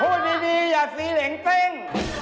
พูดดีอย่าสีเหล็งเต้ง